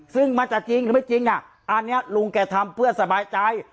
ซึ่งมันจะจริงหรือไม่จริงอันนี้ลุงแกทำเพื่อสบายใจ